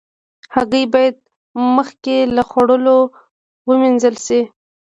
هګۍ باید مخکې له خوړلو وینځل شي.